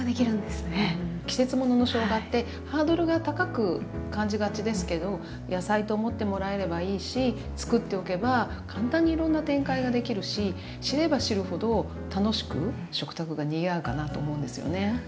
季節もののしょうがってハードルが高く感じがちですけど野菜と思ってもらえればいいし作っておけば簡単にいろんな展開ができるし知れば知るほど楽しく食卓がにぎわうかなと思うんですよね。